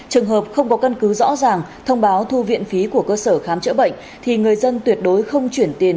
trường hợp không có căn cứ rõ ràng thông báo thu viện phí của cơ sở khám chữa bệnh thì người dân tuyệt đối không chuyển tiền